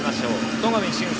戸上隼輔